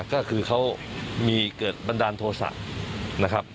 ก็คือเขามีเกิดบันดาลโทษะนะครับ